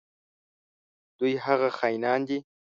دوی هغه خاینان دي.